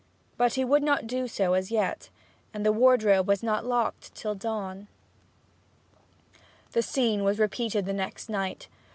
But he would not do so as yet, and the wardrobe was not locked till dawn. The scene was repeated the next night.